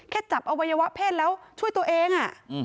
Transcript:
จับอวัยวะเพศแล้วช่วยตัวเอง